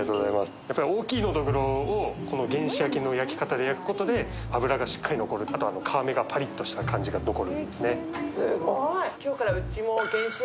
大きいのどぐろを原始焼きの焼き方で焼くことで脂がしっかり残る、あと皮目がパリッとした感じが残る。